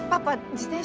自転車に。